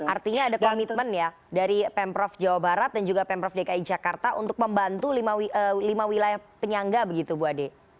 artinya ada komitmen ya dari pemprov jawa barat dan juga pemprov dki jakarta untuk membantu lima wilayah penyangga begitu bu ade